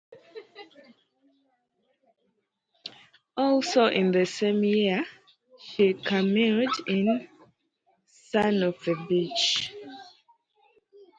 Also in the same year, she cameoed in "Son of the Beach".